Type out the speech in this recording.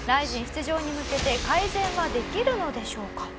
出場に向けて改善はできるのでしょうか？